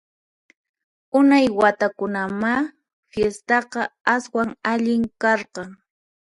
Unay watakunamá fistaqa aswan allin karqan!